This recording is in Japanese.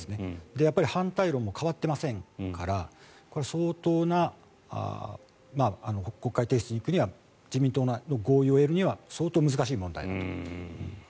やっぱり反対論も変わっていませんから相当な国会提出に行くには自民党内の合意を得るには相当難しい問題だと思います。